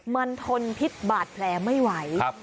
มันทนพิษบาดแผลไม่ไหว